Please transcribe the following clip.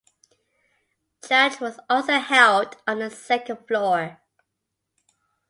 Church was also held on the second floor.